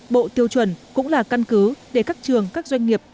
bộ tiêu chuẩn cũng là căn cứ để các trường các doanh nghiệp